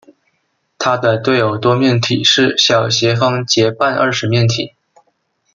它的对偶多面体是小斜方截半二十面体。